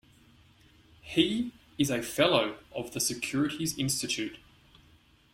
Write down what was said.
He is a fellow of the Securities Institute.